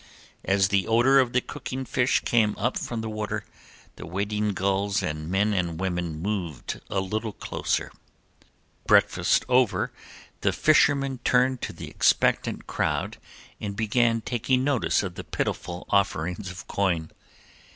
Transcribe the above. As the odor of the cooking fish came up from the water the waiting gulls and men and women moved a little closer. Breakfast over the fishermen turned to the expectant crowd and began taking notice of the pitiful offerings of coin.